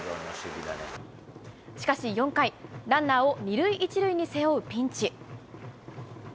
しかし４回、ランナーを２塁１塁に背負うピンチ。